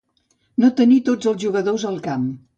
No tenir tots els jugadors al camp.